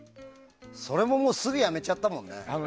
それもすぐやめちゃったもんね。